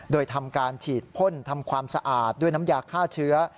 โดยทำการฉีดพ่นทำความสะอาดด้วยน้ำยาฆ่าเชื้อ